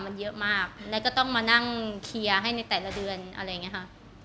มันเยอะมากแล้วก็ต้องมานั่งเคลียร์ให้ในแต่ละเดือนอะไรอย่างนี้ค่ะ